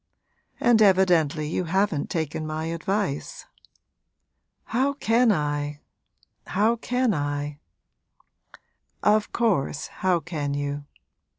'And evidently you haven't taken my advice.' 'How can I how can I?' 'Of course, how can you?